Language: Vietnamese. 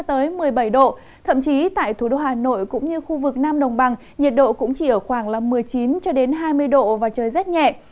thậm chí tại thủ đô hà nội cũng như khu vực nam đồng bằng nhiệt độ cũng chỉ ở khoảng một mươi chín hai mươi độ và trời rét nhẹ